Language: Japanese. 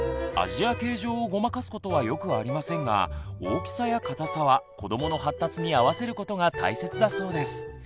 味や形状をごまかすことはよくありませんが大きさや固さは子どもの発達に合わせることが大切だそうです。